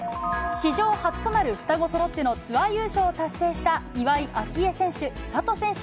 史上初となる双子そろってのツアー優勝を達成した岩井明愛選手、千怜選手。